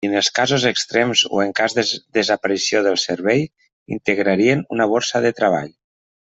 I en els casos extrems o en cas de desaparició del servei, integrarien una borsa de treball.